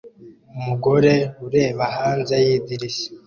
Umugore ureba hanze yidirishya